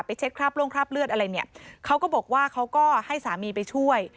เช็ดคราบโล่งคราบเลือดอะไรเนี่ยเขาก็บอกว่าเขาก็ให้สามีไปช่วย